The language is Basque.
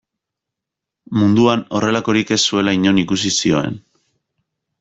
Munduan horrelakorik ez zuela inon ikusi zioen.